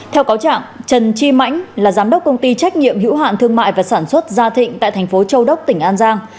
theo cáo trạng trần chi mãnh là giám đốc công ty trách nhiệm hữu hạn thương mại và sản xuất gia thịnh tại thành phố châu đốc tỉnh an giang